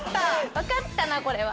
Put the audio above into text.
分かったなこれは。